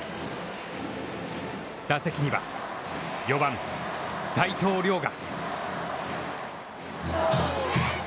打席には、４番・齋藤崚雅。